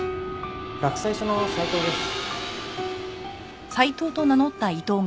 洛西署の斎藤です。